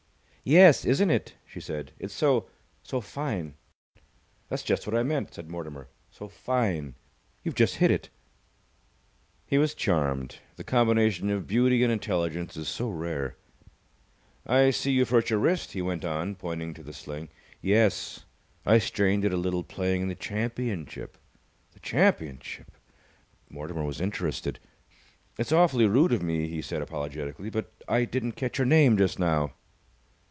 "Yes, isn't it?" she said. "It's so so fine." "That's just what I meant," said Mortimer. "So fine. You've just hit it." He was charmed. The combination of beauty with intelligence is so rare. "I see you've hurt your wrist," he went on, pointing to the sling. "Yes. I strained it a little playing in the championship." "The championship?" Mortimer was interested. "It's awfully rude of me," he said, apologetically, "but I didn't catch your name just now."